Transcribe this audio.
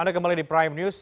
anda kembali di prime news